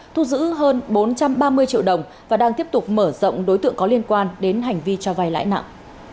thu giữ hơn bốn trăm ba mươi triệu đồng và đang tiếp tục mở rộng đối tượng có liên quan đến hành vi cho vay lãi nặng